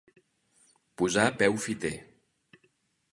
Posar peu fiter.